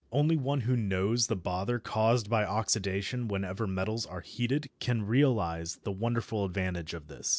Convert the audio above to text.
Only one who knows the bother caused by oxidation whenever metals are heated can realise the wonderful advantage of this.